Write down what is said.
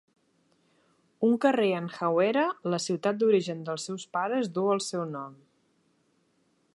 Un carrer en Hawera, la ciutat d'origen dels seus pares, duu el seu nom.